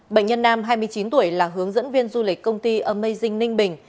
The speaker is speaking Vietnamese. bệnh nhân nam hai mươi chín tuổi là hướng dẫn viên du lịch công ty amazing ninh bình